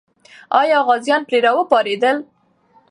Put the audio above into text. آیا غازیان پرې راوپارېدل؟